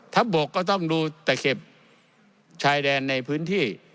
บกก็ต้องดูตะเข็บชายแดนในพื้นที่